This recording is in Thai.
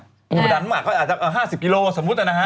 ธรรมดาอาจจะ๕๐กิโลกรัมสมมุติ